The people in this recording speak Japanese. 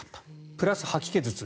プラス吐き気、頭痛。